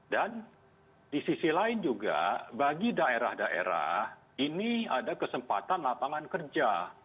dan di sisi lain juga bagi daerah daerah ini ada kesempatan lapangan kerja